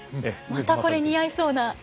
またこれ似合いそうな。